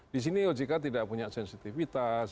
di sini ojk tidak punya sensitivitas